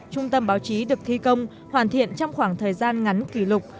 trung tâm báo chí được thi công hoàn thiện trong khoảng thời gian ngắn kỷ lục